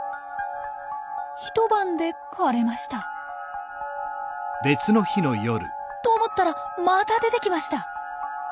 一晩で枯れました。と思ったらまた出てきました。